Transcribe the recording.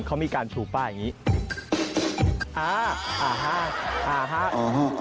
เขามีการฉูปป้าอย่างนี้